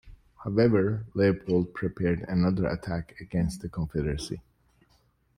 However, Leopold prepared another attack against the Confederacy.